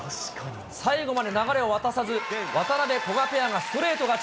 最後まで流れを渡さず、渡辺・古賀ペアがストレート勝ち。